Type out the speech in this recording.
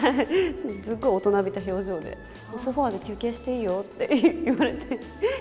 すっごい大人びた表情で、ソファで休憩していいよって言われて。